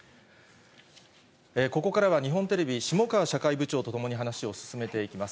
ここからは日本テレビ、下川社会部長と共に話を進めていきます。